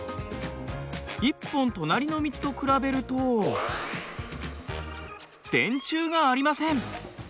１本隣の道と比べると電柱がありません。